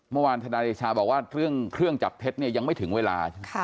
เมื่อวานธนาฬิชาบอกว่าเครื่องจับเพชรยังไม่ถึงเวลา